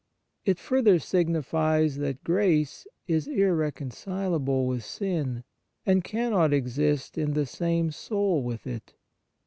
It further signifies that grace is irreconcilable with sin, and cannot exist in the same soul with it.